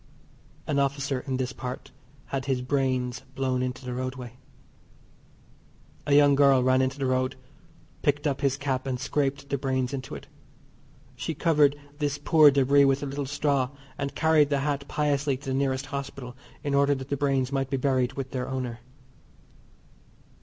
An officer in this part had his brains blown into the roadway. A young girl ran into the road picked up his cap and scraped the brains into it. She covered this poor debris with a little straw, and carried the hat piously to the nearest hospital in order that the brains might be buried with their owner.